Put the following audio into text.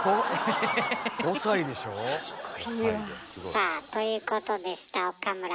さあということでした岡村。